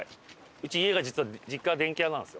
うち家が実は実家が電気屋なんですよ。